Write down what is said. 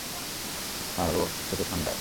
আর ও হচ্ছে ছোট্ট থান্ডার।